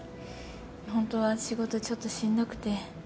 ほんとは仕事ちょっとしんどくて。